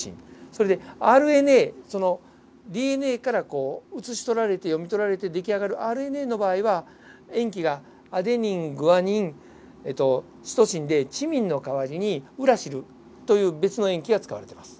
それでＲＮＡＤＮＡから写し取られて読み取られて出来上がるＲＮＡの場合は塩基がアデニングアニンシトシンでチミンの代わりにウラシルという別の塩基が使われてます。